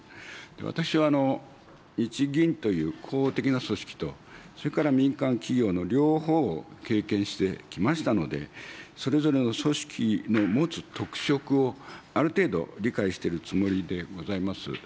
私は日銀という公的な組織と、それから民間企業の両方を経験してきましたので、それぞれの組織の持つ特色を、ある程度理解しているつもりでございます。